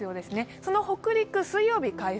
その北陸、水曜日、回復。